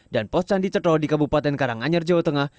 dan pos candi cetro di kabupaten karanganyar jawa tengah